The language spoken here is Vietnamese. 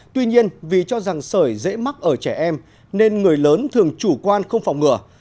tuy nhiên vì cho rằng sởi dễ mắc ở trẻ em nên người lớn thường chủ quan không phòng ngừa